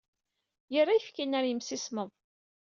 Yerra ayefki-nni ɣer yimsismeḍ.